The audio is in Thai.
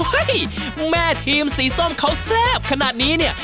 แม่ทีมสีส้มเขาแซ่บขนาดนี้เนี่ย